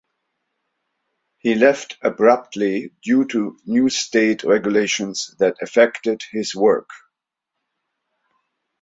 He left abruptly due to new state regulations that affected his work.